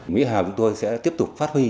mỹ hào chúng tôi sẽ tiếp tục phát huy